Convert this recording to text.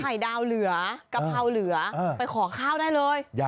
ดาวเหลือกะเพราเหลือไปขอข้าวได้เลย